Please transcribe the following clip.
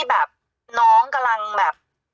แบบน้องกำลังแบบ